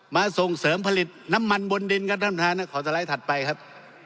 ส่งเสริมผลิตน้ำมันบนดินครับท่านประธานขอสไลด์ถัดไปครับ